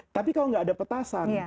tapi kalau nggak ada petasan